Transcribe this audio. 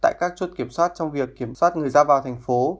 tại các chốt kiểm soát trong việc kiểm soát người ra vào thành phố